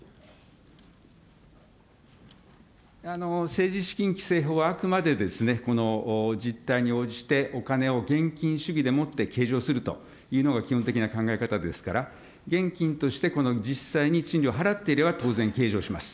政治資金規正法はあくまで実態に応じてお金を現金主義でもって計上するというのが基本的な考え方ですから、現金として、この実際に賃料を払っていれば、当然、計上します。